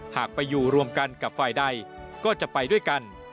หากไปอยู่รวมกันกับฝ่ายใดก็จะไปด้วยกัน